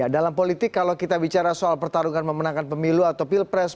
dalam politik kalau kita bicara soal pertarungan memenangkan pemilu atau pilpres